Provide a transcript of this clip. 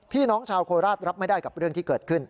พี่น้องชาวโคราชรับไม่ได้กับเรื่องที่เกิดขึ้น